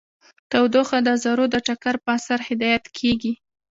تودوخه د ذرو د ټکر په اثر هدایت کیږي.